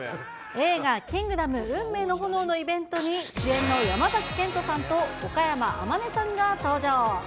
映画、キングダム運命の炎のイベントに、主演の山崎賢人さんと岡山天音さんが登場。